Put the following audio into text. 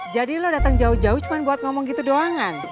jadi lu datang jauh jauh cuma buat ngomong gitu doang kan